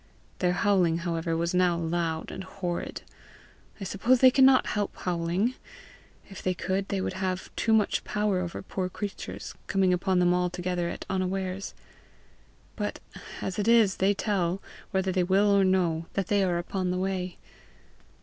Their howling, however, was now loud and horrid. I suppose they cannot help howling; if they could, they would have too much power over poor creatures, coming upon them altogether at unawares; but as it is, they tell, whether they will or no, that they are upon the way.